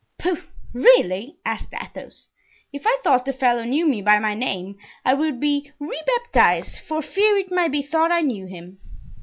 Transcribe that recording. "Pooh! really?" asked Athos. "If I thought the fellow knew me by my name I would be rebaptized, for fear it might be thought I knew him."